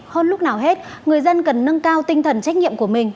hơn lúc nào hết người dân cần nâng cao tinh thần trách nhiệm của mình